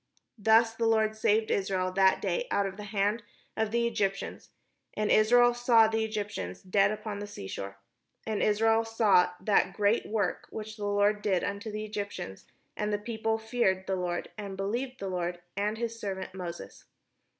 Thus the Lord saved Israel that day out of the hand of the Egyptians; and Israel saw the Egyptians dead upon the sea shore. And Israel saw that great work which the Lord did upon the Egyptians; and the people feared the Lord, and believed the Lord, and his servant Moses.